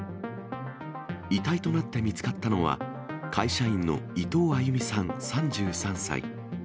遺体となって見つかったのは、会社員の伊藤亜佑美さん３３歳。